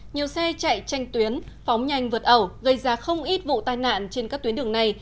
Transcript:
nhiều xe chạy tranh tuyến phóng nhanh vượt ẩu gây ra không ít vụ tai nạn trên các tuyến đường này